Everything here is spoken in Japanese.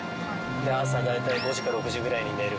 で朝だいたい５時か６時ぐらいに寝る。